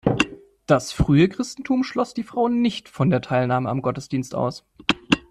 Das frühe Christentum schloss die Frauen nicht von der Teilnahme am Gottesdienst aus.